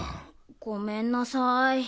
ごめんなさい。